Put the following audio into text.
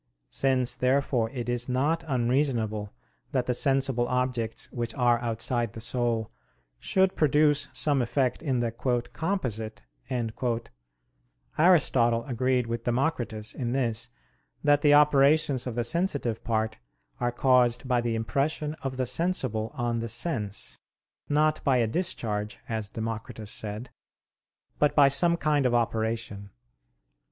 Since, therefore, it is not unreasonable that the sensible objects which are outside the soul should produce some effect in the "composite," Aristotle agreed with Democritus in this, that the operations of the sensitive part are caused by the impression of the sensible on the sense: not by a discharge, as Democritus said, but by some kind of operation.